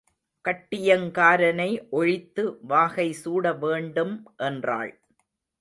கட்டியங் காரனை ஒழித்து வாகை சூட வேண்டும் என்றாள்.